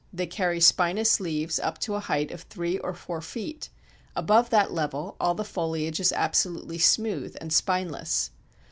They carry spinous leaves up to a height of three or four feet; above that level all the foliage is absolutely smooth and spineless.